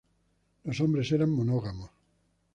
Los hombres eran monógamos.